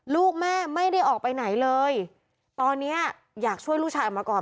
ลูกแม่ไม่ได้ออกไปไหนเลยตอนนี้อยากช่วยลูกชายออกมาก่อน